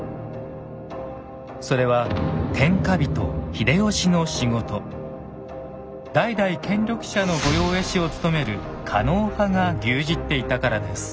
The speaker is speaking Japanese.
それは代々権力者の御用絵師を務める狩野派が牛耳っていたからです。